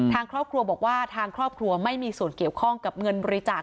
ทางครอบครัวบอกว่าทางครอบครัวไม่มีส่วนเกี่ยวข้องกับเงินบริจาค